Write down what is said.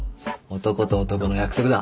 男と男の約束だ。